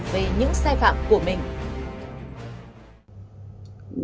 về những sai phạm của mình